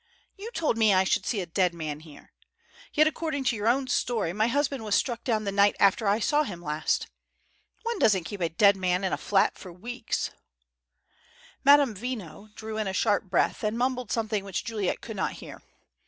"You told me I should see a dead man here. Yet according to your own story my husband was struck down the night after I saw him last. One doesn't keep a dead man in a flat for weeks!" Madame Veno drew in a sharp breath, and mumbled something which Juliet could not hear.